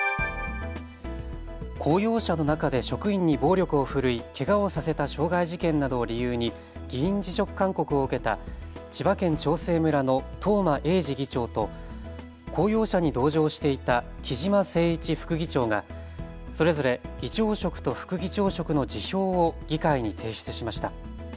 公用車の中で職員に暴力を振るいけがをさせた傷害事件などを理由に議員辞職勧告を受けた千葉県長生村の東間永次議長と公用車に同乗していた木嶋晴一副議長がそれぞれ議長職と副議長職の辞表を議会に提出しました。